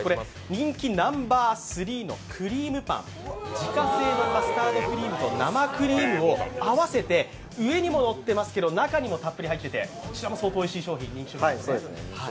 人気ナンバースリーのクリームパン、自家製のカスタードクリームと生クリームを合わせて上にものっていますけど中にもたっぷり入っていてこちらもおいしい、相当な人気商品です。